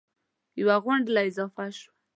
یوه غونډله اضافه شوه